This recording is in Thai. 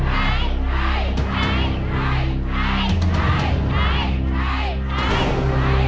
ใช้